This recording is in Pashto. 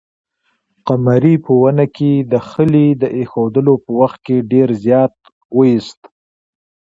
قمرۍ په ونې کې د خلي د اېښودلو په وخت کې ډېر زیار وایست.